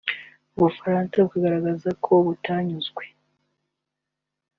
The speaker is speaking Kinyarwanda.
u Bufaransa bukagaragaza ko butanyuzwe